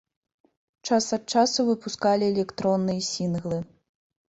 Час ад часу выпускалі электронныя сінглы.